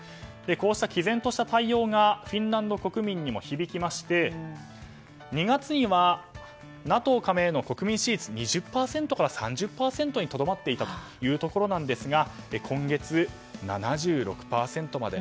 こうした毅然とした対応がフィンランド国民にも響きまして２月には、ＮＡＴＯ加盟の国民支持率は２０％から３０％にとどまっていたんですが今月は７６％まで。